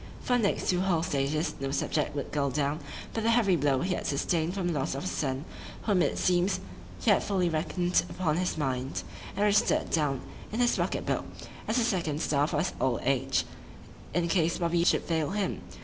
For the next two whole stages, no subject would go down, but the heavy blow he had sustain'd from the loss of a son, whom it seems he had fully reckon'd upon in his mind, and register'd down in his pocket book, as a second staff for his old age, in case Bobby should fail him.